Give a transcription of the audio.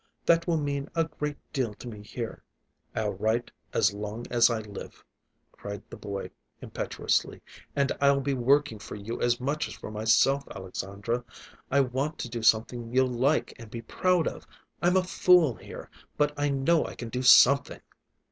That will mean a great deal to me here." "I'll write as long as I live," cried the boy impetuously. "And I'll be working for you as much as for myself, Alexandra. I want to do something you'll like and be proud of. I'm a fool here, but I know I can do something!"